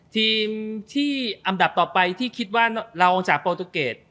ทีมที่อันดับต่อไปที่คิดว่าเราจากโปรตูเกต